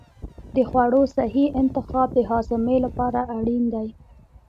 د خوړو صحي انتخاب د هاضمې لپاره اړین دی.